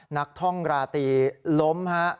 นักท่องราตรีล้มฮะ